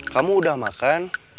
kamu udah makan